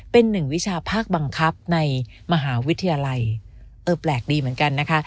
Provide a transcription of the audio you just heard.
เป็นหนึ่งวิชาภาคบังคับในมหาวิทยาลัยเออแปลกดีเหมือนกันนะคะ